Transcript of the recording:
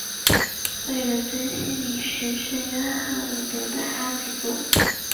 位于伦敦西敏市圣约翰伍德的阿比路。